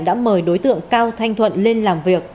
đã mời đối tượng cao thanh thuận lên làm việc